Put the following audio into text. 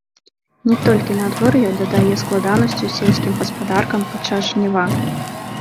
Не толькі надвор'е дадае складанасцяў сельскім гаспадаркам падчас жніва.